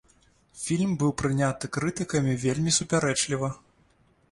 Фільм быў прыняты крытыкамі вельмі супярэчліва.